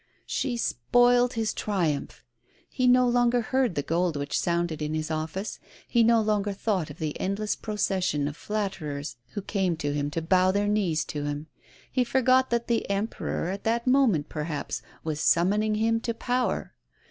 She spoiled his triumph. He no longer heard the gold which sounded in his office ; he no longer thought of the endless procession of flatterers who came to bow their knees to him ; he forgot that the Emperor, at that moment, perhaps, was summoning him to power.